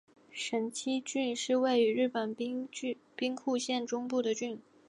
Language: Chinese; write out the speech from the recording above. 神崎郡是位于日本兵库县中部的郡。